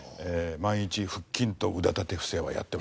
毎日腹筋と腕立て伏せはやってました。